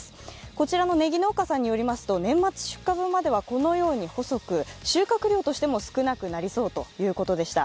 こちらのねぎ農家さんによりますと年末出荷分まではこのように細く、収穫量としても少なくなりそうということでした。